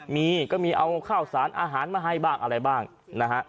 มีก็มีเอาข้าวสารอาหารมาให้บ้างอะไรบ้างนะฮะ